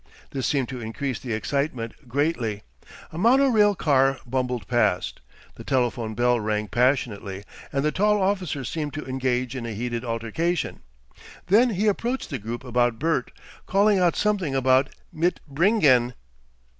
This seemed to increase the excitement greatly. A mono rail car bumbled past. The telephone bell rang passionately, and the tall officer seemed to engage in a heated altercation. Then he approached the group about Bert, calling out something about "mitbringen."